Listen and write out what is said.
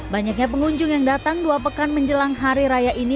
banyaknya pengunjung yang datang dua pekan menjelang hari raya ini